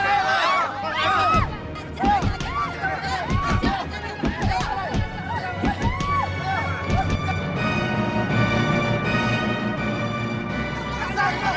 kalau lo mau jual anak perawan